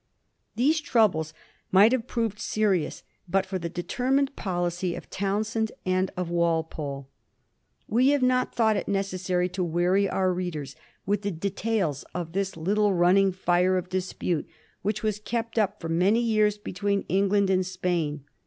These troubles might have proved serious but for the determined policy of Townshend and of Walpole. We have not thought it necessary to weary our readers with the details of this little running fire of dispute which was kept tip for some years between England and Spain.